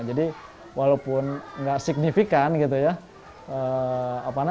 jadi walaupun nggak signifikan gitu ya